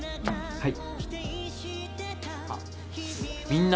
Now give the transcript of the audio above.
はい。